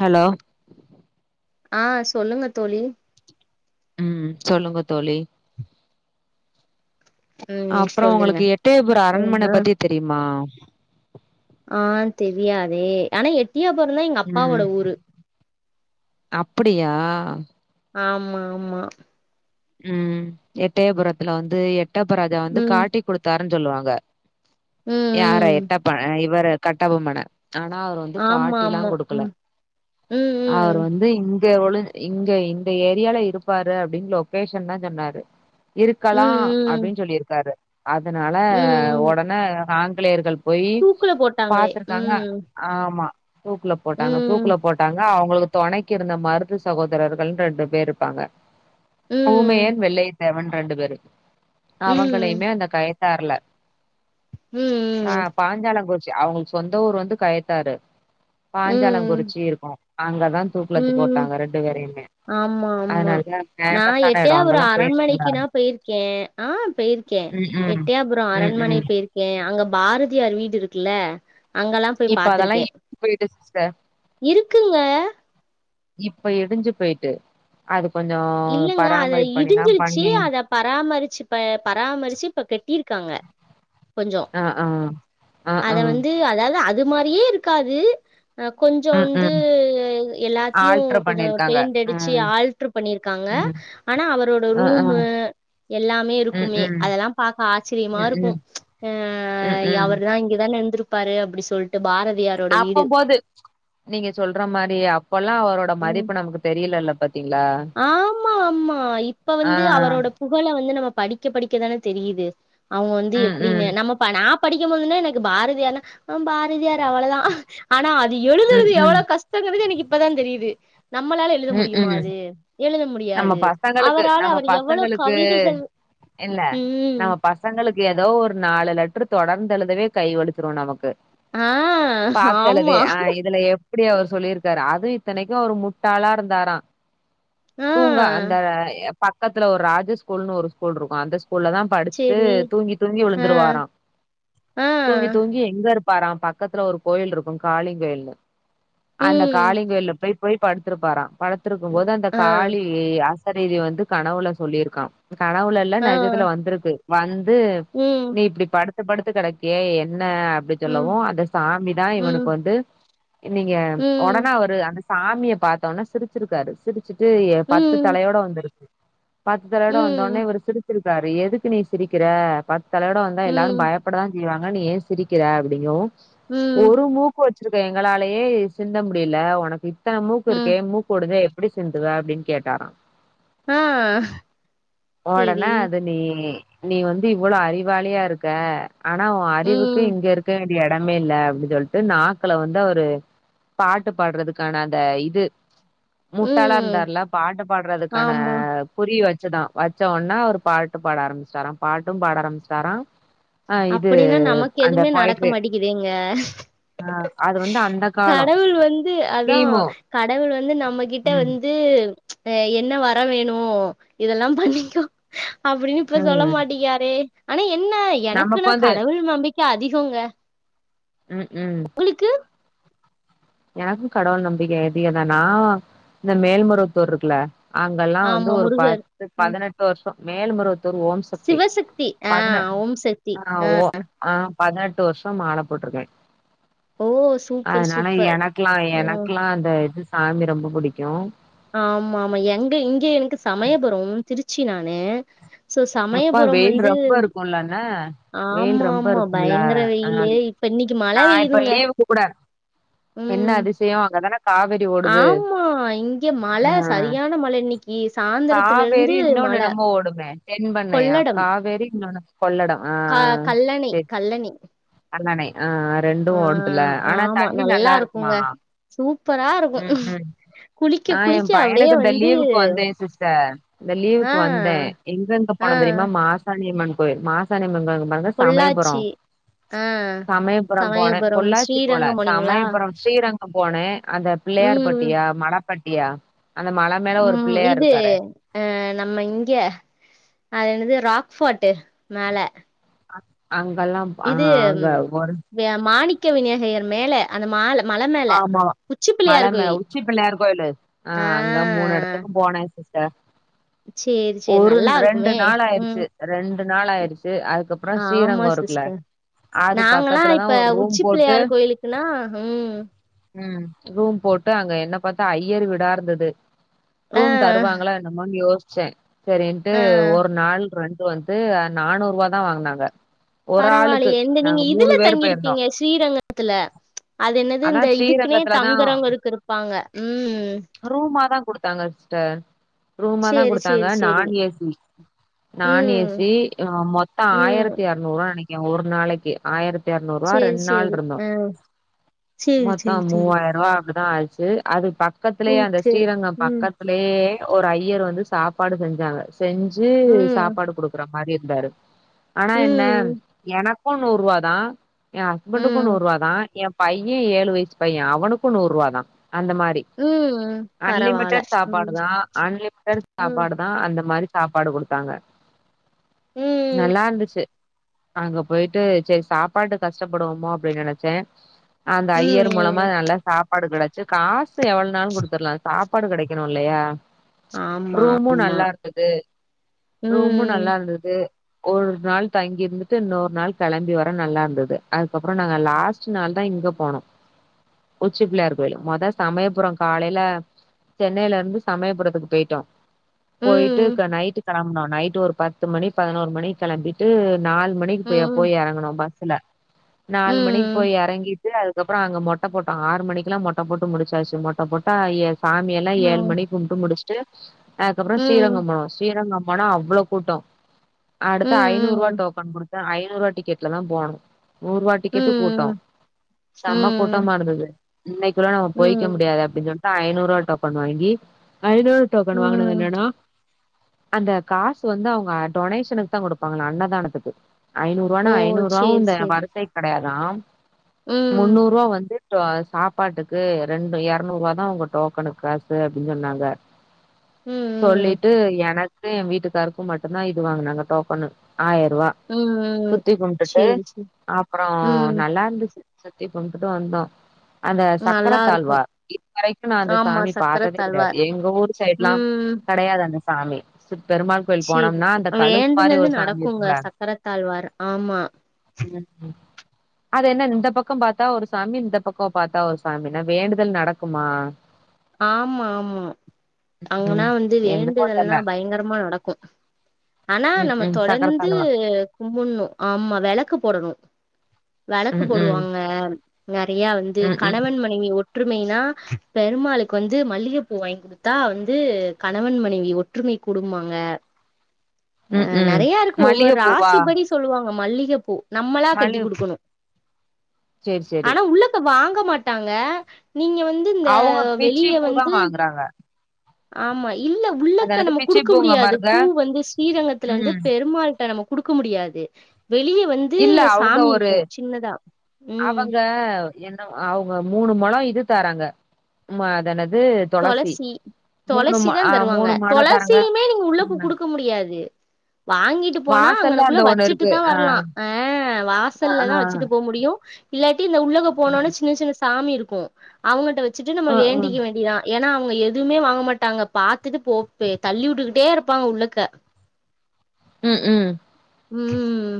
Hello ஆஹ் சொல்லுங்க தோழி உம் சொல்லுங்க தோழி ம் அப்பறம் சொல்லுங்க உங்களுக்கு எட்டயபுறா அரண்மனை ஏன்னா பத்தி தெரியுமா ஆஹ் தெரியாதே ஆனா எட் டயபுறா தான் எங்க அப்பாவோட ம் ஊரு அப்படியா ஆமா ஆமா உம் எட்டயபுரத்துல வந்து எட் டாப்பராஜா வந்து ம் காட்டி கொடுத்தார் சொலுவாங்க ம் யார ம் எட்டப்ப இவர கட்டபொம்மான அனா அவரு வந்து ஆமா காட்டிலா ஆமா கொடுக்கல ம் அவர் ம் வந்து இங்க ஒளிஞ்சு இங்க இந்த ஏரியால இருப்பாரு அப்படின்னு பேஷன் தா சொன்னாரு ம் ம் இருக்கலா ம் ம் அப்படின் சொல்லிருக்காரு அதனால ம் உடனே நா ஆங்கிலியர்கள் போய் தூக்குல போட்டாங்களே பாத்துருக்காங்க ம் ஆமா தூக்குல போட்டாங்க தூக்குல ம் போட்டாங்க அவங் உங்களுக்கு துணைக்கு இருந்த மருது சகோதரர்கள்ன் ரெண்டு பேர் இருப்பாங்க ம் ஊமையன் வெள்ளை செவன் இரண்டு பேரு ம் அவங்கள ம் இமே அந்த காய தெர்ல ம் ஆஹ் பாஞ்சாலகோ அவங்களுக்கு சொந்த ஊரு வந்து கயத்தாரு ம் பாஞ்சாலம்குறிச்சி இருக்கும் அங்கதான் தூக்குல ம் ம் போட்டாங்க ரெண்டு பேரையுமே ஆமா ஆமா அதனால நான் ஃபேமஸான எடோ எட்டயாபுரம் அங்கெல்லா போயிருக்கீங்களா அரண்மனைக்கு நான் போயிருக்கேன் ஆஹ் போயிருக்கேன் ம் ம் எட்டியாபுரம் ம் அரண்மனை ம் போயிருக்கேன் அங்க பார எம்ஜிஆர் வீடு இருக்குல அங்கல்லாம் போய் இப்ப அதெல்லா பார்த்தருக்கேன் இடிஞ்சு போயிட்டு சிஸ்டர் இருக்குங்க இப்ப இடிஞ்சு போயிட்டு அது கொஞ்சோ இல்லங்க அத பராமரிப்பு பண்ணிலா இடிஞ்சிருச்சு பண்ணி அத பராமரிச்சு பராமரிச்சு இப்ப கட்டிருக்காங்க கொஞ்சம் அ ஆ அ ஆ அத வந்து அதாவது அது மாரியே இருக்காது கொஞ்சம் ம் வந்து ம் எல்லாத்தியும் ஆல்ட்ரு கொஞ்சம் பண்ணிருக்காங்க பெயிண்ட் அடிச்சு ம் ஆல்ட்ரு பண்ணிருக்காங்க ம் ஆனா அவரோட அ ஆ ரூம் எல்லாமே ம் இருக்குமே ம் அதெல்லாம் பாக்க ஆச்சரியமா ம் ம் இருக்கும் ம் ஆஹ் ம் அவரு தான் இங்கதான் இருந்து பாரு அப்டி சொல்லிட்டு பார அப்ப போது நீங்க சொல்ற மாரி அப்ப அப்பலா அவரோட ம் மதிப்பு நமக்கு தெரியலலப் ஆமா ஆமா இப்ப ஆ வந்து அவரோட புகழ வந்து நம்ம படிக்க படிக்கதானே தெரியுது அவங்க வந்து ம் எப்படின்னு ம் நம்ம நா படிக்கும் போதுன்னா எனக்கு பாரதியார்னா ஆ பாரதியார் அவ்வளதான் ஆனா அது ம் எழுதுறது ம் எவ்வளவு கஷ்டங்கிறது எனக்கு அப்பதான் தெரியுது நம்மளால எழுத ம் முடியுமா ம் அது எழுத நம்ம முடியாது பசங்களுக்கு அவரால நம்ம அவர் எவ்வளோ பசங்களுக்கு கவிதைகள் இல்ல ம் நம்ம பசங்க மக்களுக்கு ஏதோ ஒரு நாலு லெட்டர் தொடர்ந்தெழுதவே கை வழிச்சுரும் நமக்கு ஆஹ் ஆமா அப்டி அவர் சொல்லியிருக்காரா அது இத்தனைக்கும் அவர் முட்டாளா இருந்தாராம் ஆ தூங்கா அந்த எப் பக்கத்துல ஒரு ராஜ ஸ்கூல்னு ஒரு ஸ்கூல் இருக்கும் அந்த உள்ள தான் படிச்சுட்டு சேரி தூங்கி தூங்கி ஆ விழுந்துருவாரான் ஆ தூங்கி தூங்கி எங்க இரு பார பக்கத்துல ஒரு கோயில் இருக்கும் காளி கோயில்னு அந்த ம் காளிங்கோயிலா போய் போய் படுத்துருப்பாராம் படத்துருக்கும் போது அந்த ஆ காளி அசறீரி வந்து கனவுல சொல்லியிருக்கான் கனவுள்ள எல்லாம் ஆ நெஜத்துல வந்திருக்கு வந் தூ ம் நீ இப்படி படுத்து படுத்து கிடக்கியே என்ன அப்டி ம் சொல்லவும் அந்த சாமிதான் ம் இவனுக்கு வந்து நீங்க ம் உடனே அவரு அ சாமியை பார்த்தோம்னா சிரிச்சிருக்காரு சிரிச் ச்சிட்டு பத்து ம் தலையோட வந்திருக்கு பத்துதலயோட வந்த உடனே ம் இவரு சிரிச் [inaudible] தலையோட வந்தா எல்லாரும் ம் பயப்படதான் செய்வாங்க நீ ஏன் சிரிக்கிற அப்படிங்கவும் ம் ஒரு மூக்கு வச் சு இருக்க எங்களாலேயே சிந்த முடியல உனக்கு இத்தன மூக்கு ம் இருக்கே மூக்கு ஒடஞ்ச சிந்துவ அப்படின்னு கேட்டார ஆஹ் சேரி ஒடனே அது நீ நீ வந்து இவ்வளா அறிவாளிய இருக்க ஆனா உன் அறிவுக்கு ம் இங்க இருக்க வேண்டிய இடமே இல் அப்படின்னு சொல்லிட்டு நாக்கல வந்து ஒருர பாட்டு பாடுறதுக்கான அந்த இது முட்டாளா ம் இருந்தாருல பாட்டு பாடுறதுக்கான ஆமா குறிவச் வச்சுதான் வச்ச உடன்னா ஒரு பாட்டு பாட ஆரம்பமிச்சிட்டாரான் பாட்டும் பாட ஆரம்பிச்சிட்டாரான் அப்படின்னா நமக்கு எதுவுமே நடக்க மாட்டக்குதேங்க ஆ அது வந்து அந்த காலோ கடவுள் வந்து அதான் கிமு கடவுள் வந்து நம்மகிட் கிட்ட ம் வந்து ஹ என்ன வர வேணும் இதெல்லாம் பண்ணிக்கோ அப்படின்னு இப்ப சொல்ல ம் மாட்டிகிராரே ஆன என்ன எனக்கு நமக்கு ன்னா வந்து கடவுள் நம்பிக்கை அதிகங்க உம் உம் உங்களுக்கு? எனக்கும் கடவுள் நம்பிக்கை எதுதான்னா இந்த மேல்மருவத்தூர் இருக்குல அங்கெல்லாம் வந்து ஆமா ஒரு முருகர். பத்து ம். பதினெட்டு வருஷம் மேல் மரு சிவசக்தி ஆஹ் ஓம் சக்தி ஆ ஓ ஆஹ் ஆ பதினெட்டு வருஷம் மால போட்டிருக்க ஓஹ் சூப்பர் சூப்பர் எனக்கெல்லாம் ம். எனக்கெல்லாம் அந்த இது சாமி ரொம்ப பிடிக்கும் ஆமா ஆமா எங்க இங்க எனக்கு சமையப்புறம் திருச்சி நானு சோ அப்பா சமயபுரம் வெயில் வந்து ரொம்ப இருக்கும்லங்க வெயில் ரொம்ப ஆமாமா. இருக்கும்ல பயங்கர ஆஹ் வெயிலு. இப்ப இன்னைக்கு மழை நான் இப்ப பெய்யுதுங்க. லீவு கூட என்ன ம். அதிசயம் அங்கதானே ஆமா இங்க ஆ மழை சரியான மழை இன்னைக்கு சாந்திரத்துல இருந்து மழை தெண்பண்ணயா கொள்ளடம். காவேரி நொனச் கொள்ளட க ஆஹ்ஹ் கல்லணை, சேரி கல்லணை. கல்லனை ஆஹ் ரெண்டு ஆ ஓடுதுல ஆனா ஆமா தண்ணி நல்லா இருக்குமா இருக்குங்க சூப்பரா இருக்கு உம் உம் குளிக்க நான் குளிக்க என் அப்டியே பையனுக்கு இந்த வந்து லீவுக்கு வந்தேன் சிஸ்டர் இந்த ஆ லீவுக்கு வந்தேன் எங்க எங்க ஆ போன தெரியுமா மாசானியம்மன் கோயில் மாசானி ங்க ங்கடாக சமயபுர பொள்ளாச்சி ஆ சமயபுர போன சமயபுரம் பொள்ளாச்சி போல ஸ்ரீரங்கம் போனீங்களா சமயபுர ஸ்ரீரங் போனே அந்த பிள்ளையார் பட்டியா மட பட்டியா உம் இது அஹ் நம்ம இங்க அது என்னது ராக் போர்ட் மேல அ அங்கல்லாம் ஆ அங்க ஒரு கவிநாகயர் மேல அந்த மால மல மேல ஆமா உச்சி மல பிள்ளையார் மேல கோயில் உச்சி பிள்ளையார் கோயிலு அ ஆ அங்க மூணு எடத்துக்கு போனே சிஸ் ட சேரி சேரி ஒரு நல்லா ரெண்டு இருக்குமே நாள் ம் ஆயிருச்சு ரெண்டு நாள் ஆயிருச்சு அதுக்கப்றொ ஆமா ஸ்ரீரங்கொ இருக்குல்ல சிஸ்டர் அது நாங்கல்லா பக்கத்ல தா இப்ப ஒரு ரூம் உச்சி போட்டு பிள்ளையார் கோயிலுக்குன்னா ம் ம் ரூம் போட்டு அங்க என்ன பாத்தா ஐயர் வீடா இருந்தது ரூம் ஆ தருவாங்களா என்னமோன் யோசு ச்சே செரின்ட்டு ஆ ஒரு நாள் ரெண் டு வந்து நானூறுவா தா வாங்குனாங்க ஒரு ஆளுக்கு பரவால்லயே இந்த நீங்க நாங்க மூணு இதுல பேரு போயிருந்தோ தங்கிருப்பீங்க ஸ்ரீரங்கத்துல அது என்ன து அதா இந்த இதுக்குனே ஸ்ரீரங்கத்துலதா தங்குறங்கருக்கிருப்பாங்க ம் ரூமா தா குடுத்தாங்க சிஸ்டர் ரூமா தா சேரி குடுத்தாங்க சேரி சேரி நான் ஏ சி நான் ஏ ம் சி மொத்தொ ம் ஆயிரத்தி எர்நூறுவா நெனக் க்கே ஒரு நாளக்கி ஆயிரத் தெர்நூறுவா சேரி ரெண் சேரி நாள்ருந்தோ ஆ சேரி மொத்தொ சேரி சேரி மூவாயருவா அப்டிதா ஆச்சு அது பக் கத்துலயே அந்த ஓகே ஸ்ரீரங்கம் ம் பக்கத்துலயே ஒரு ஐயர் வந்து சாப்பாடு செஞ்சாங்க செஞ்சு ம் சாப்பாடு குடுக்குறங் மாறி இருந்தாரு ஆனா என்ன ம் என க்கு நூறுவா தா ஏ ஹஸ்பண்டுக்கு ம் நூறுவா தா எப் பைய ஏழு வயசு பைய அவனுக்கு நூறுவா தா அந்த மாரி ம் பரவால்ல அன்லிமிடெட் சாப்பாடு ம் தா அன்லிமிடெட் ம் சாப்பாடு தா அந்த மாரி சாப்பாடு குடுத்தாங்க ம் நல்லார்ந்துச்சு அங்க போயிட்டு செரி சாப்பாடுக் கஷ்டப்படுவோமோ அப்டின் நெனச்சே அந்த ஐயர் மூலமா ம் நல்ல சாப் படுகிடைச்சு காஸ் சு எவ்ளோ நாளும் கொடுத்துருலாம் சாப் சாப்பாடு கிடைக்கணும்ல்லையா ஆமா ரூமும் ஆமா நல்லா இருந்தது ரூமும் நல்லா ம் இருந்தது ஒரு நாள் தங்கி இருந்துட்டு இன்னொரு நாள் கிளம்பி வர நல்ல இருந்தது அதுக்கப்பறம் நாங்க லாஸ்ட் நாள் தான் இங்கப் போனோம் உச்சி பிள்ளயார் கோயில் மொத சமயபுர காலையில சென்னையில இருந்து சமயபுரத்கு போய்டோ போயிட்டு ம் கா நைட்டு கிளம்பனோம் நைட் ஒரு பத்து மணி பதினோரு மணி கிளம்பிட்டு நாலு மணிக்கு போய் ம் போய் இறங்கணு ப ஸ்சுல ம் நாலு மணிக் போய் ம் இறங்கி இத அதுக்கப்பறம் அங்க மொட்டை போட்டோம் ஆறு மணிக்க எல்லா மொட்டை போட்டு முடிச்சாச்சு மொட்ட போட்டா சாமியெல்லா ஏழு ம் மணிக் கும்ட்டு முடிச் ட்டு அஹ் அதுக்கப்ற ஸ்ரீரங்கபோனோ ஸ்ரீரங்கம் போனோம் அவ்ளோ கூட்டம் அடுத்த ஐநூறு ரூவா ம் டோக்கன் குடுத் ஐநூறுரூபா டிக்கெட்ல தான் போனும் நூறு ரூவா ம் டிக்கெட்டு ம் கூட்டம் செம ம் கூட்டமா இருந்துது இன்னைக்குள்ள நம்ப போய்க ம் முடியாது அப்டினு சொன் ஐநூறு ரூவா டோக்கன் வாங்கி ஐநூறு டோக்கன் வாங்னது ம் என்னனா அந்த காசு வந்து அவங்க டொனேஷனுக்கு தா கொடுப்பாங்கள அன்னதானத்துக்கு ஐநூறு ஓ ரூவான ஐநூறு ரூவா சேரி இந்த சேரி வரிசை கிடையாத் தாம் ம் முன்னூறு ரூவா வந்து சாப்பாட்டுக்கு ரெண்டு இருநூறு ரூவ தான் உங்க டோக்கனுக்கு காசு அப்படின்னு சொன்னாங்க ம் ம் சொல்லிட்டு எனக் க்கும் என் வீட்டுக்காருக்கும் மட்டும்தான் இது வாங்க நாங்க டோக்கனு ஆயிர ரூவா ம் ம் சுத்தி கும்பிட்டுட்டு சேரி சேரி அப்பறம் ம் நல்ல இருந்துச்சு சுத்தி கும்டுட்டு வந்தோம் அந்த நல்லா இருக்கு சக்கரதாழ்வார் இதுவரைக்கும் நா அந்த ஆமா சாமி சக்கர பாத்ததே கிடையாது தாழ்வார் எங்க ஊர் சைட்லாம் ம் கிடையாது அந்த சாமி பெருமாள் கோயில் சேரி போனோம்னா அந்த கழுகு மாரி வேண்டுனது ஒரு சாமி நடக்குங்க இருக்கும்ல சக்கரத்தாழ்வார் ஆமா ம். அது என்ன இந்த பக் ந்த பக்கம் பாத்த ஒரு சாமி இந்த பக்கம் பாத்த ஒரு சாமி வேண்டுதல் நடக்குமா ஆமா ஆமா அங்கன்னா ம் வந்து என்னமோ தெர்ல வேண்டுதல்லா பயங்கரமா நடக்கு ஆனா ம் நம்ம ம் சக்கர தொடர்ந்து தாழ்வார் கும்புணு ஆமா விளக்கு போடணு விளக்கு ம் ம் போடுவாங்க நிறைய வந்து ம் ம் கணவன் மனைவி ஓற் ஒற்றுமைனா பெருமாளைக்கு க்கு வந்து மல்லிகைப்பூ வாங்கி கொடுத்தா வந்து கணவன் மனைவி ஒற்றுமை கூடுமாங்க ம் ஆஹ் ம் நிறைய இருக்கும் மல்லிக ஒவ்வொரு பூவா ராசி படி சொல்லுவாங்க மல்லிகைப்பூ நம்மளா கட்டி மல்லிக கொடுக்கணும் சரி சரி ஆனா உள்ளத வாங் இருக்க மாட்டாங்க நீங்க வந்து இந்த அவங்க பிச்சி வெளிய பூதா வந்து வாங்கறாங்க ஆமா இல்ல உள்ளக்க நம்ம கொடுக்க பூங்க முடியாது பாருங்க பூ வந்து ஸ்ரீரங்கத்தில் ம் வந்து பெருமாளிட்ட நமக்கு குடுக்கமுடியாது வெளியே வந்து இல்ல அவங்க சாமி ஒரு இருக்கும் சின்னதா உம் அவங்க என்ன அவங்க மூணு முழம் இது தாராங்க அதனது துளசி துளசி தான் ஆ தருவாங்க மூணு மால தாராங்க துளசியுமே நீங்க உள்ள பூ குடுக்க முடியாது வாங்கிட்டு போனா வாசல்ல அங்கனக்குள்ள அந்த ஒண்ணு வச்சுட்டு இருக்கு தான் ஆ வரலாம் ஆஹ் ஆ வாசல்ல ஆ தான் வச்சுட்டு போக முடியும் இல்லாட்டி இந்த உள்ளக போனோனா சின்ன சின்ன சாமி இருக்கு இருக்கும் அவங்கிட்ட வச்சு வச்சுட்டு நம்ப ஆ ஆ வேண்டிக்க வேண்டியதான் ஏன்னா அவங்க எதுவுமே வாங்க மாட்டாங்க பாரத்துட்டு போப்ப தள்ளி விட்டுக்கிட்டே இருப்பாங்க உள்ளுக்க உம் உம் உம்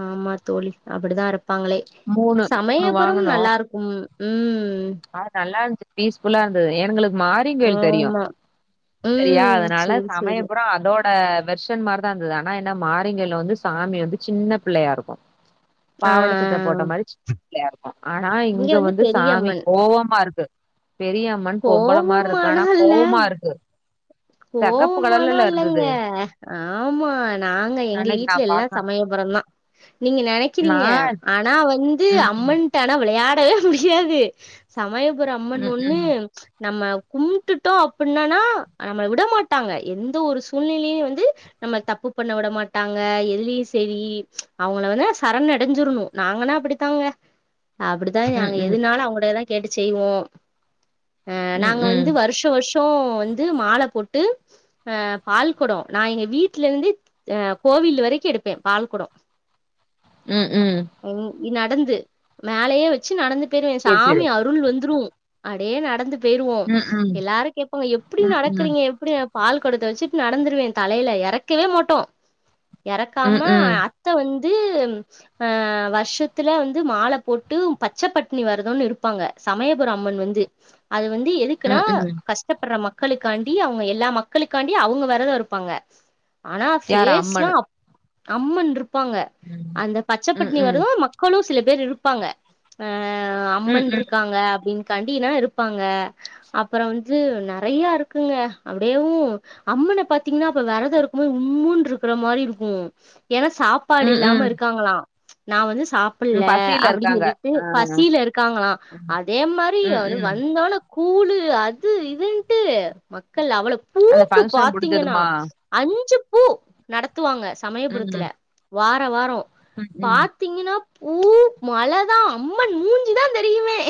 ஆமா தோழி அப்படிதா இரு ப்பாங்களே மூணு சமயபுறம் நல்லாருக்கும் உம் அ நல்லா இருந்துச்சு பீஸ்ஃபுல்லா இருந்துச்சு எங்களுக்கு மாரிங்கல தெரியும் ஆமா சரியா ம் அதனால சேரி சேரி சமயபுறம் அதோ ஆஹ் பெர்ஷன் மாரிதான் இருந்தது ஆனா ஏன்னா மாரிங்கல வந்து சாமி வந்து சின்ன பிள்ளையா இருக்கும் ஆ பாவாட சட்ட போட்ட மாரி [unintelligible] ஆனா இங்க வந்து சாமி ஓவமா இருக்கு பெரியம்மன் பொம்பள மாரி கோவமா இருக்கு ஆனா எல்லா இல்ல கோவமா இருக்கு செகப்பு கோவமா எல்லா கலர்லல்ல இல்லங்க இருந்தது ஆமா நாங்க எங்க அன்னைக்கு நா வீட்ல எல்லா பாக்க சமயபுரம் தான் நீங்க நா நினைக்கிறீங்க ஆனா வந்து ம் ம் அம்மன்டா ஆனா விளையா டவே முடியாது சமய ஒரு அம்மன் ம் ஒன்னு ம் நம்ம கும்பிட்டோம் அப்டின்னனா நம்மள விடமாட்டாங்க எந்த ஒரு சூழ்நிலையும் வந்து நம்ம தப்பு பண்ண விட மாட்டாங்க எதிலயும் சேரி அவங்கள வந்து சரண் அடஞ்சிரனும் நாங்கனா அப்டித்தாங்க அப்டித்தா நாங்க ம் எதினாலும் அவங்களுட கேப் கேட்டு செய்வோம் ஆ ம் நாங்க வந்து ம் வருஷ வருஷ போ வந்து மாலை போட்டு அ பால் கொடம் நா எங்க வீட்லந்து அ கோவில் வரைக்கு எடுப்பன் பால் கொடம் ம் ம் நடந்து மேலயே வச்சி நடந்து பெயிருவேன் சேரி சாமி சேரி அருள் வந்துரும் அடேய் நடந்து பெறுவோம் ம் ம் எல்லாரு கேட்பாங்க எப்டி ம் ம் நடக்கறீங்க எப்டி பால் கொடத்த வச்சிட்டு நடந்துருவேன் தலையில இறக்கவே மாட்டோம் இறக்காம ம் அத்த வந் து ஆ வருஷத்துல வந்து மாலைபோட்டு பச்ச பட்னி வேரதம்னு இருப்பாங்க சமயபுரம் அம்மன் வந்து அது வந்து எதுக்குனா ம் ம் ம் கஷ்டப்படுற ம மக்களுக்காண்டி அவங்க எல்லா மக்களுக்காண்டி அவங்க வேரதம் இருப்பாங்க ஆனா யாரு அம்மனு ஃபேஸ்லாம் அம்மன் இருப்பாங்க ம் அந்த பச்ச ம் பட்னி ம் வேரதம் மக்களும் சில பேர் இருப்பாங்க அ அ ம் அம்மன் ம் இருக்காங்க அப்டின்னு கண்டினா இரு ப்பாங்க அப்றோ வந்து நிறையருக்குங்க அப்டியே யும் அம்மன பாத்தீங்கன்னா அப்ப வேரதம் இருக்கும்போ உம்முனு இருக்கிற மாரி இருக்கும் ஏன்னா சாப்பாடு ம் இல்லாம ம் இருக்காங்களா நா வந்து சாப்பிடல ம் பசியில அப்டின்னு இருக்காங்க சொல்லிட்டு ஆ பசியில இருக்காங்களா அதே மாரி ம் ம் ஒரு ம் கூளு அது இதுன்டு மக் முதல்ல அவள அந்த பூக்கு ஃபங்க்ஷன் பாத்தீங்கன்னா முடிஞ்சதுமா அஞ்சு ஓ நடத் துவாங்க ம் சமயபுறத்துல வார வாரோ ம் ம் பாத்தீங்கன்னா ஊ மழதான் அம்மன் மூஞ்சிதான் தெரியுமே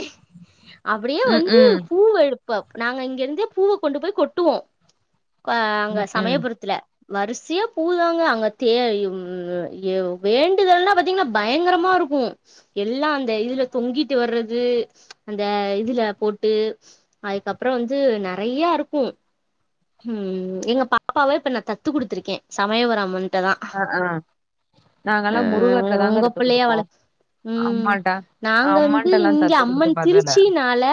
ம் அப்டியேவந்து ம் பூவ எட் [unintelligible] நாங்க இங்கருந்தே பூவ கொண்டு போய் கொட்டுவோம் பா அங்க ம் ம் சமயபுரத்துல வரிசையா பூதாங்க அங்க [unintelligible] வேண்டுதல்லா பாத்தீங்கன்னா பயங்கரமாருக்கும் எல்லா அந்த இதுல தொங்கிட்டுவர்றது அந்த இதுல போட்டு அதுக்கப்புறம் வந்து நறையா இருக்கும் உம் எங்க பாப்பாவ இப்ப நான் தத்து குடுத்துருக்கே சமயபுர அம்மன் அ ஆ அ நாங்கல்லாம் முருகர்ட்ட தாங்க உங்க தத்து பிள்ளையா வள குடுப்போம் ம் ஆமாடா அ நாங்க அம்மன்ட்டலாம் தத்து குடுத்து [unintelligible] ல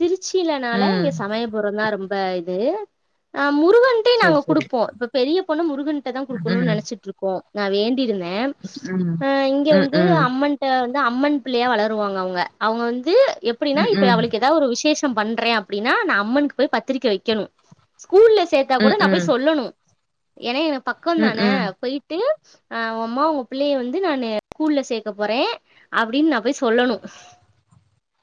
திருச்சியிலனால ம் இங்க சமயபுறம் தான் ரொம்ப [unintelligible] ஆ முருகன்டே நாங்க சேரி சேரி குடுப்போம் இப்ப பெரிய போன முரு கன் ட தான் குடுக்கணுன்னு ம் நனச்சிட்ருக்கோம் நான் வேண்டி இருந்தன் ம் அ இங்க ம் ம் வந்து ம் அம்மன்ட வந் து அம்மன் பிள்ளையா வளருவாங்க அவங்க அவங்க வந்து அப்டினா இப்ப ம் அவளுக்கு எதா ஒரு விசேஷ் பண்றேன் அப்படின்னா நான் அம்மனுக்கு போய் பத்திரிக்க வைக்கணும் ஸ்கூல்ல சேத்தா ம் கூட நான் போய் ம் சொல்லணும் என எனப் பக்கோ ம் தான ம். போயிட்டு ஆ உன் அம்மா உங்க புள்ளய வந்து நானு ஸ்கூல்ல சேக்க போறேன் அப்டின்னு நா போய் சொல்லணும்